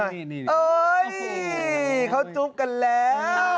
เฮ้ยเค้าจุ๊บกันแล้ว